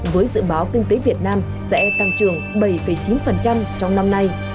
với dự báo kinh tế việt nam sẽ tăng trưởng bảy chín trong năm nay